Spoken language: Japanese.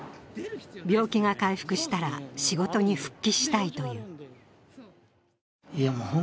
病気が回復したら仕事に復帰したいという。